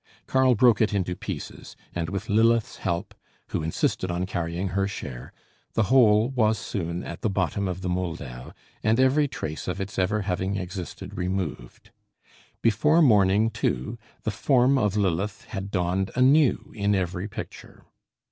Karl broke it into pieces, and with Lilith's help, who insisted on carrying her share, the whole was soon at the bottom of the Moldau and every trace of its ever having existed removed. Before morning, too, the form of Lilith had dawned anew in every picture.